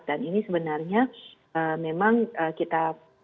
dan ini sebenarnya memang kita